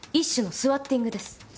スワッティング？